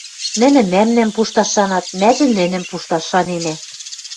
Нӹнӹ мӓмнӓм пушташ шанат, мӓжӹ нӹнӹм пушташ шаненӓ.